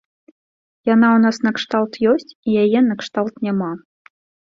Яна ў нас накшталт ёсць, і яе накшталт няма.